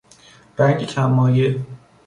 رنگ کم مایه